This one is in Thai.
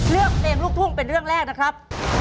เลือกเพลงลูกทุ่งเป็นเรื่องแรกนะครับ